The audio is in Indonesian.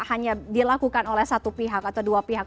hanya dilakukan oleh satu pihak atau dua pihak